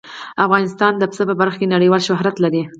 افغانستان د پسه په برخه کې نړیوال شهرت لري.